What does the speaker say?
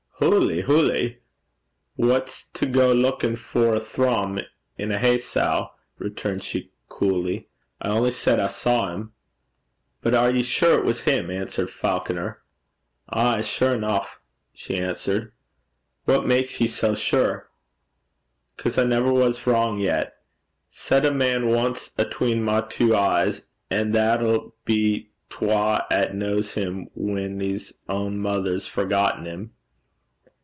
'Hooly! hooly! Wha's to gang luikin' for a thrum in a hay sow?' returned she, coolly. 'I only said 'at I saw him.' 'But are ye sure it was him?' asked Falconer. 'Ay, sure eneuch,' she answered. 'What maks ye sae sure?' ''Cause I never was vrang yet. Set a man ance atween my twa een, an' that 'll be twa 'at kens him whan 's ain mither 's forgotten 'im.'